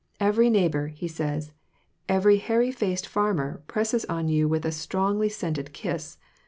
"Every neighbor," he says, "every hairy faced farmer presses on you with a strongly scented kiss.